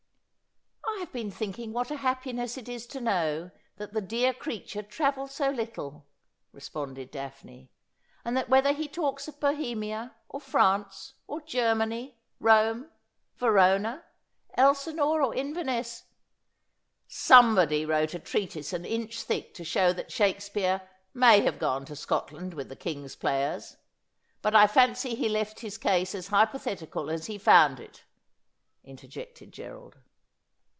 ' I have been thinking what a happiness it is to know that the dear creature travelled so little,' responded Daphne ;' and that whether he talks of Bohemia, or France, or Germany, Rome, Verona, Elsinore, or Inverness '' Somebody wrote a treatise an inch thick to show that Shakespeare may have gone to Scotland with the king's players, but I fancy he left his case as hypothetical as he found it,' inter jected Gerald.